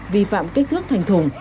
vi phạm kích thước thành thùng